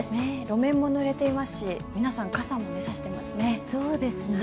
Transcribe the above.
路面もぬれていますし皆さん、傘も差していますね。